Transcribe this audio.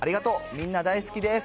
みんな大好きです。